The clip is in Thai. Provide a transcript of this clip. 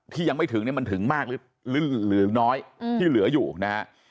ที่ยังไม่ถึงมันถึงมากหรือน้อยที่เหลืออยู่นะครับ